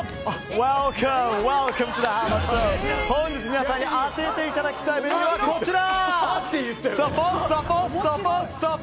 本日皆さんに当てていただきたいメニューはこちら！